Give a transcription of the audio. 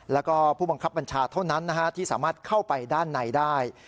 แล้วก็ผู้บังคับบัญชาเท่านั้นที่สามารถเข้าไปด้านในได้